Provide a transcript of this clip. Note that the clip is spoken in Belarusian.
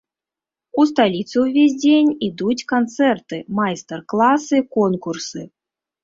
У сталіцы ўвесь дзень ідуць канцэрты, майстар-класы, конкурсы.